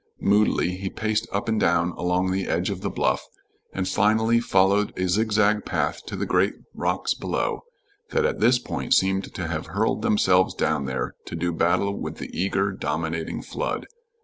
Moodily he paced up and down along the edge of the bluff, and finally followed a zigzag path to the great rocks below, that at this point seemed to have hurled themselves down there to do battle with the eager, dominating flood.